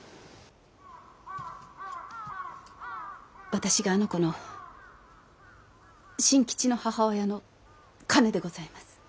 私があの子の新吉の母親の兼でございます。